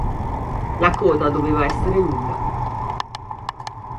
La coda doveva essere lunga.